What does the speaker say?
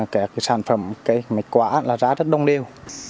cái sản phẩm cái mạch quả là giá rất đông đều